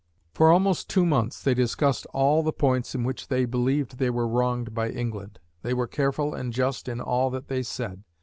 For almost two months, they discussed all the points in which they believed they were wronged by England. They were careful and just in all that they said.